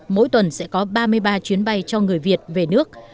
mỗi tuần sẽ có ba mươi ba chuyến bay cho người việt về nước